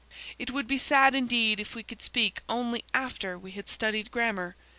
It would be sad indeed if we could speak only after we had studied grammar!